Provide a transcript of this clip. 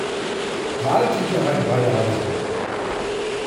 Wartet noch ein paar Jahre!